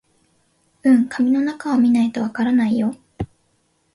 うん、紙の中を見ないとわからないよ